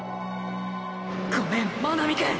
ごめん真波くん！！